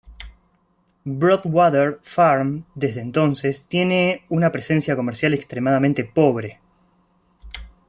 Broadwater Farm, desde entonces, tiene una presencia comercial extremadamente pobre.